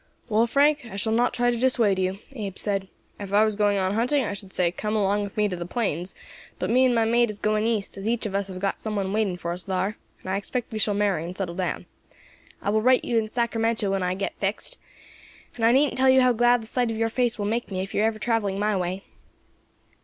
"Well, Frank, I shall not try to dissuade you," Abe said. "If I was going on hunting, I should say 'Come along with me to the plains'; but me and my mate is going east, as each of us has got some one waiting for us thar, and I expect we shall marry and settle down. I will write to you at Sacramento when I get fixed, and I needn't tell you how glad the sight of your face will make me if you are ever travelling my way."